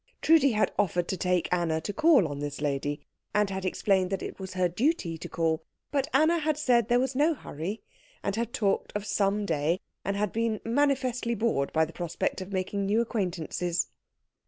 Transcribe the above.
Trudi had offered to take Anna to call on this lady, and had explained that it was her duty to call; but Anna had said there was no hurry, and had talked of some day, and had been manifestly bored by the prospect of making new acquaintances.